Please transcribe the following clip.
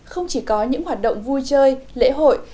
không chỉ có những hoạt động vui chơi lễ hội